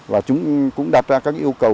và chúng cũng đặt ra các yêu cầu